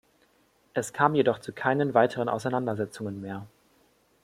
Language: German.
Es kam jedoch zu keinen weiteren Auseinandersetzungen mehr.